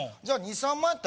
じゃあ２３万